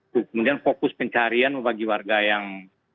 kemudian fokus pencarian bagi warga yang